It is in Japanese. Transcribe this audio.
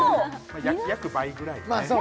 約倍ぐらいだね